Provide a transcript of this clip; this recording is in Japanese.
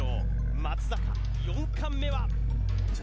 松坂４貫目は？